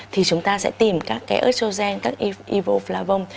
thì chúng ta sẽ tìm các cái estrogen các evoflavone